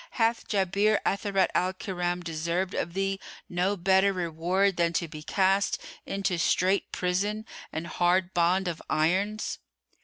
Hath Jabir Atharat al Kiram deserved of thee no better reward than to be cast into strait prison and hard bond of irons?